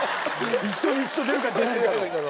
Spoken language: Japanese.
一生に一度出るか出ないかの。